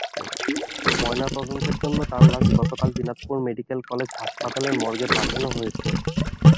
ময়নাতদন্তের জন্য তাঁর লাশ গতকাল দিনাজপুর মেডিকেল কলেজ হাসপাতালের মর্গে পাঠানো হয়েছে।